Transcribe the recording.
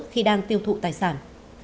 khi đang tiêu thụ tài sản